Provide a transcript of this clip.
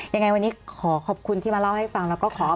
ยังไงวันนี้ขอขอบคุณที่มาเล่าให้ฟัง